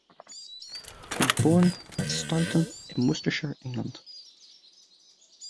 He was born at Stoulton, in Worcestershire, England.